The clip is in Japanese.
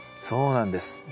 そうなんです。